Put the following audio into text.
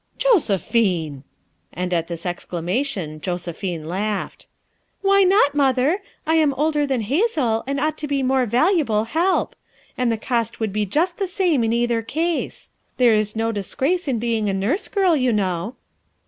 " Josephine!" And at this exclamation Josephine laughed. "Why not, Mother? I am older than Hazel and ought to be more val uable help; and the cost would be just the same in either case. There is no disgrace in being a nurse girl, you know."